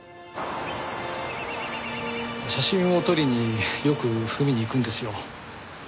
写真を撮りによく海に行くんですよ。